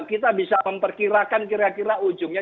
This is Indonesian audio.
kita bisa memperkirakan kira kira ujungnya